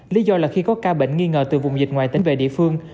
lý do là khi có ca bệnh nghi ngờ từ vùng dịch ngoài tỉnh về địa phương